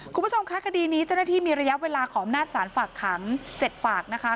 คุณผู้ชมคะคดีนี้เจ้าหน้าที่มีระยะเวลาขออำนาจสารฝากขัง๗ฝากนะคะ